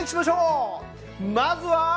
まずは。